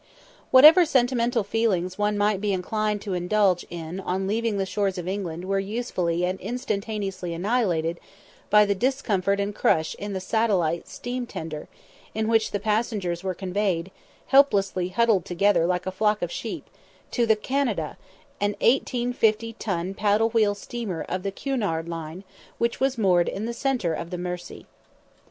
Whatever sentimental feelings one might be inclined to indulge in on leaving the shores of England were usefully and instantaneously annihilated by the discomfort and crush in the Satellite steam tender, in which the passengers were conveyed, helplessly huddled together like a flock of sheep, to the Canada, an 1850 ton paddle wheel steamer of the Cunard line, which was moored in the centre of the Mersey.